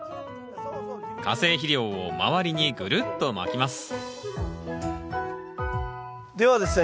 化成肥料を周りにぐるっとまきますではですね